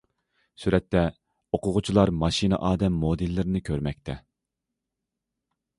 سۈرەتتە: ئوقۇغۇچىلار ماشىنا ئادەم مودېللىرىنى كۆرمەكتە.